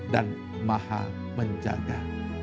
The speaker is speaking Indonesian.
dan maha menjaga